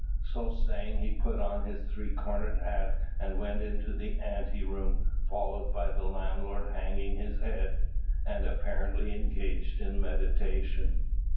So saying, he put on his three cornered hat, and went into the ante room, followed by the landlord hanging his head, and apparently engaged in meditation.